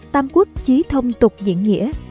tam quốc chí thông tục diện nghĩa